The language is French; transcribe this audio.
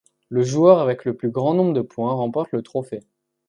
Le joueur avec le plus grand nombre de points remporte le trophée.